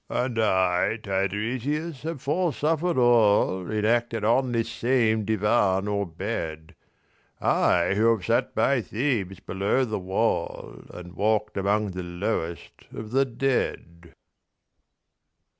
(And I Tiresias have foresuffered all Enacted on this same divan or bed; I who have sat by Thebes below the wall And walked among the lowest of the dead.)